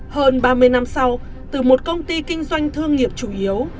hơn ba mươi năm sau từ một công ty kinh doanh thương nghiệp chủ yếu